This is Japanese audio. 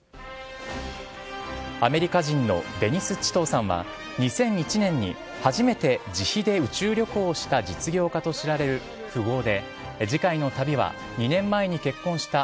アメリカ人のデニス・チトーさんは２００１年に初めて自費で宇宙旅行をした実業家として知られる富豪で次回の旅は２年前に結婚した